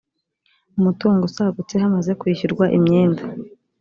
umutungo usagutse hamaze kwishyurwa imyenda